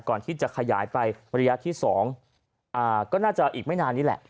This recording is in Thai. ก่อนที่จะขยายไประยะที่๒ก็น่าจะอีกไม่นานนี้แหละ